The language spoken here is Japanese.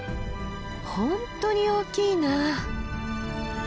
本当に大きいな。